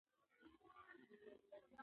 زه هره ورځ سنکس خوري.